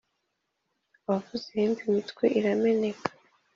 abavuza ihembe imitwe irameneka